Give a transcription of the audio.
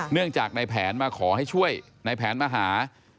เนื่องจากในแผนมาขอให้ช่วยในแผนมาหา